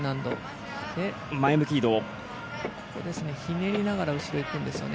ひねりながら後ろに行くんですよね。